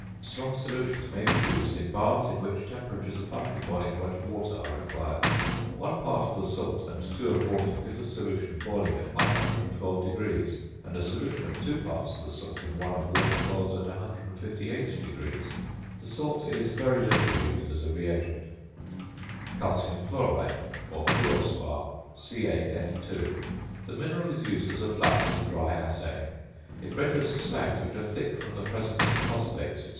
Strong solutions may be used in baths in which temperatures above the boiling point of water are required. One part of the salt and 2 of water give a solution boiling at 112°, and a solution of 2 parts of the salt in 1 of water boils at 158°. The salt is very little used as a reagent. ~Calcium Fluoride~ or "~Fluor Spar~," CaF_. The mineral is used as a flux in dry assaying; it renders slags which are thick from the presence of phosphates, &c.